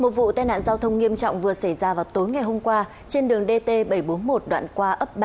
một vụ tai nạn giao thông nghiêm trọng vừa xảy ra vào tối ngày hôm qua trên đường dt bảy trăm bốn mươi một đoạn qua ấp ba